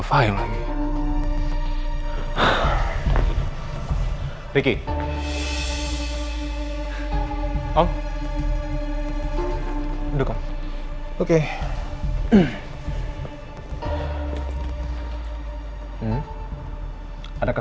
dengar ya dengar